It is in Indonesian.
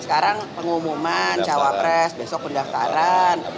sekarang pengumuman cawapres besok pendaftaran